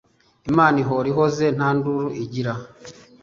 Imana ihora ihoze ntanduru igira